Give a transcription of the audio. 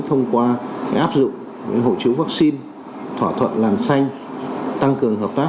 thông qua áp dụng hộ chiếu vaccine thỏa thuận làm xanh tăng cường hợp tác